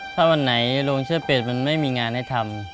ถ้าวันไหนโรงเชื้อเป็ดมันไม่มีงานให้ทำ